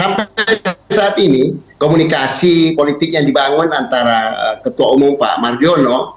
karena saat ini komunikasi politik yang dibangun antara ketua umum pak marjono